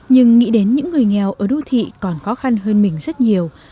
nhưng nghĩ đến những người nghèo ở đô thị còn khó khăn hơn mình rất nhiều